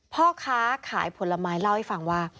พ่อค้าขายผลไม้เล่าให้ฟังว่า